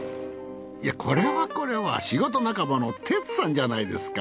いやこれはこれは仕事仲間の哲さんじゃないですか。